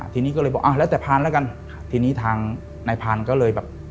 ทีนี้ก็เลยบอกอ้าวแล้วแต่พานแล้วกันทีนี้ทางนายพานก็เลยแบบ